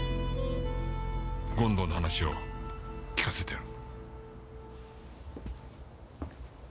権藤の話を聞かせてやる。